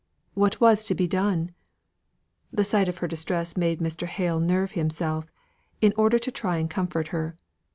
What was to be done? The sight of her distress made Mr. Hale nerve himself, in order to try and comfort her.